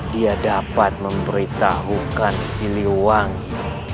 dia dapat memberitahukan si liwangi